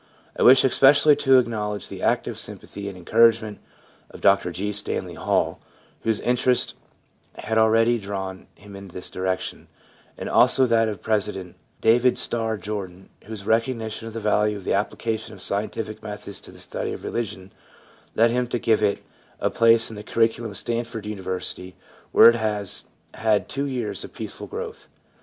I wish especially to acknowledge the active sym pathy and encouragement of Dr G. Stanley Hall, whose interest had already drawn him in this direction ; and also that of President David Starr Jordan, whose recognition of the value of the application of scientific methods to the study of religion led him to give it a place in the curriculum of Stanford University, where it has had two years of peaceful growth.